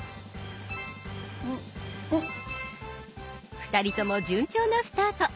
２人とも順調なスタート。